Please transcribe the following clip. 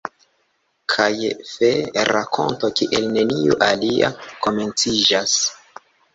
Kaj fe-rakonto kiel neniu alia komenciĝas...